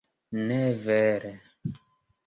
Ne vere.